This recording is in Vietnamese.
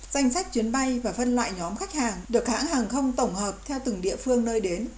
danh sách chuyến bay và phân loại nhóm khách hàng được hãng hàng không tổng hợp theo từng địa phương nơi đến